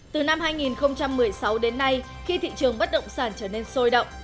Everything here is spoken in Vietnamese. từ năm hai nghìn một mươi sáu đến nay khi thị trường bất động sản trở nên sôi động